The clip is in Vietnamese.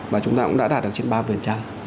và chúng ta cũng đã đạt được trên ba